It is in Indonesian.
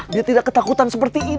biar tidak ketakutan sekali ya kum